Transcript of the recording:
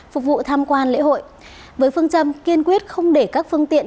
phục vụ tham quan lễ hội với phương châm kiên quyết không để các phương tiện